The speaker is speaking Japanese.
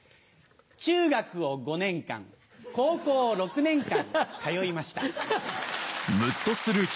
中学を５年間高校を６年間通いました。